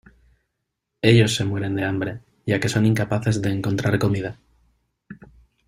Ellos se mueren de hambre, ya que son incapaces de encontrar comida.